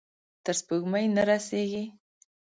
تر سپوږمۍ نه رسیږې